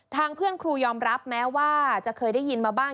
เพื่อนครูยอมรับแม้ว่าจะเคยได้ยินมาบ้าง